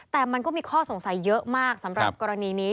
แต่มันก็มีข้อสงสัยเยอะมากสำหรับกรณีนี้